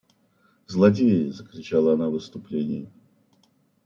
«Злодеи! – закричала она в исступлении.